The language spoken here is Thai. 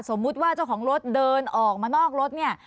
สมมุติว่าเจ้าของรถเดินออกมานอกรถเนี่ย